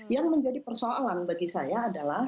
yang menjadi persoalan bagi saya adalah